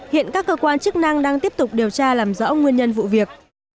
hiện các cơ quan chức năng đang tiếp tục điều tra làm rõ nguyên nhân vụ việc